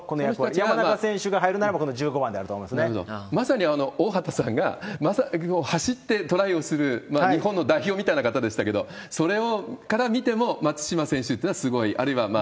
山中選手が入るなら、この１５番まさに大畑さんが走ってトライをする、日本の代表みたいな方でしたけれども、それから見ても、松島選手っていうのは、すごい、あるいは。